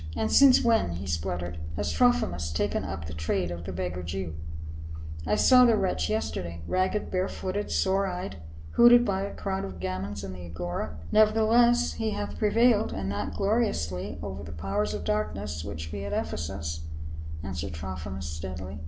" And since when," he spluttered, " has Trophimus taken up the trade of the beggar Jew ? I saw the wretch yester day, ragged, bare footed, sore eyed, hooted by a crowd of gamins in the Agora." " Nevertheless he hath prevailed, and that glori ously, over the powers of darkness which be at Ephesus," answered Trophimus steadily.